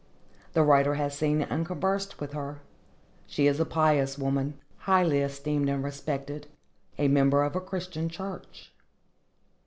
The writer has seen and conversed with her. She is a pious woman, highly esteemed and respected, a member of a Christian church.